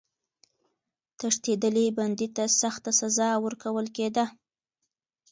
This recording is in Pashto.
تښتېدلي بندي ته سخته سزا ورکول کېده.